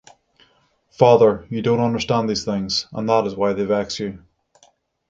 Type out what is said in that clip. Father, you don't understand these things, and that is why they vex you.